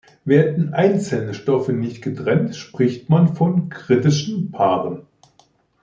Werden einzelne Stoffe nicht getrennt, spricht man von "kritischen Paaren".